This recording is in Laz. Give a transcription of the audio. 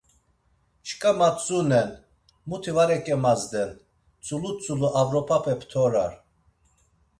Şǩa matzunen, muti var eǩemazden, tzulu tzulu avropape ptorar.